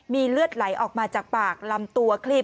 มีเลือดไหลออกมาจากปากลำตัวคลีบ